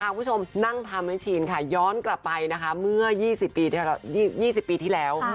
คุณผู้ชมนั่งทำให้ชีนค่ะย้อนกลับไปนะคะเมื่อ๒๐ปีที่แล้ว